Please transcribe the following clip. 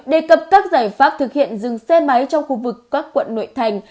đề cập các giải pháp thực hiện dừng xe máy trong khu vực các quận nội thành